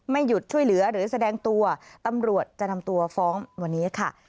หยุดช่วยเหลือหรือแสดงตัวตำรวจจะนำตัวฟ้องวันนี้ค่ะ